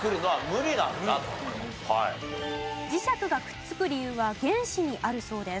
磁石がくっつく理由は原子にあるそうです。